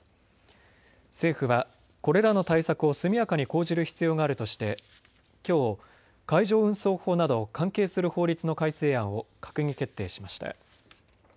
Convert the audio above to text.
政府はこれらの対策を速やかに講じる必要があるとしてきょう海上運送法など関係する法律の改正案を閣議決定しました。